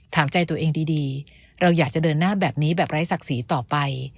ถามใจตัวเองดีเราอยากจะเดินหน้าแบบนี้แบบไร้ศักดิ์ศรีต่อไป